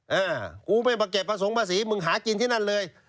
กูไปเก็บผสมภาษีมึงหากินที่นั่นเลย